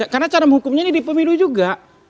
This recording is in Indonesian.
karena cara menghukumnya ini di pemilu juga